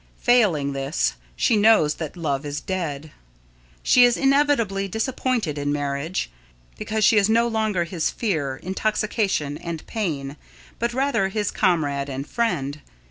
Failing this, she knows that love is dead. She is inevitably disappointed in marriage, because she is no longer his fear, intoxication, and pain, but rather his comrade and friend.